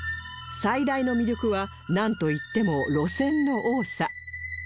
最大の魅力はなんと言っても路線の多さ